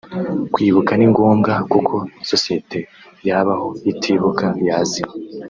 Kwibuka ni ngombwa kuko sosiyete yabaho itibuka yazima